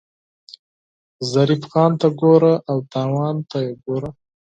ظریف خان ته ګوره او تاوان ته یې ګوره.